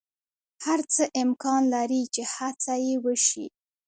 هر څه امکان لری چی هڅه یی وشی